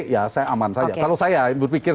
ya saya aman saja kalau saya berpikir